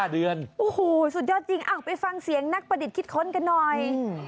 โอ้โหสุดยอดจริงไปฟังเสียงนักประดิษฐ์คิดค้นกันหน่อย